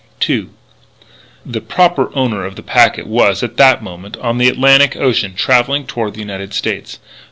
II The "proper owner" of the packet was, at that moment, on the Atlantic Ocean, travelling toward the United States.